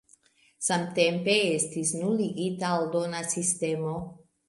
Samtempe estis nuligita aldona sistemo.